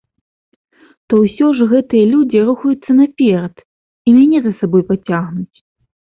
То ўсё ж гэтыя людзі рухаюцца наперад, і мяне за сабой пацягнуць.